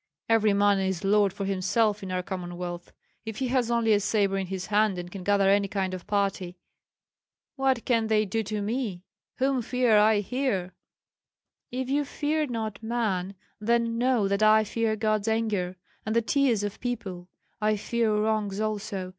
Every man is lord for himself in our Commonwealth, if he has only a sabre in his hand and can gather any kind of party. What can they do to me? Whom fear I here?" "If you fear not man, then know that I fear God's anger, and the tears of people; I fear wrongs also.